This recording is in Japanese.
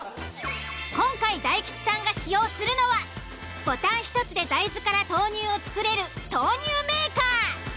今回大吉さんが使用するのはボタン１つで大豆から豆乳を作れる豆乳メーカー。